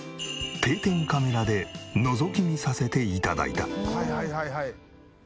定点カメラでのぞき見させて頂いた。